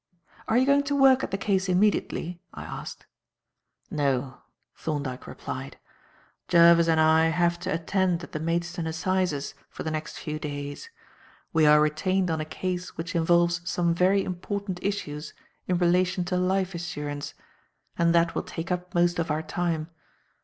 "Are you going to work at the case immediately?" I asked. "No," Thorndyke replied. "Jervis and I have to attend at the Maidstone Assizes for the next few days. We are retained on a case which involves some very important issues in relation to life assurance, and that will take up most of our time.